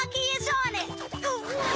うっ！